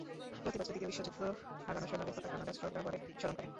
প্রতি বছর দ্বিতীয় বিশ্বযুদ্ধে হারানো সৈন্যদের কথা কানাডা শ্রদ্ধাভরে স্মরণ করে।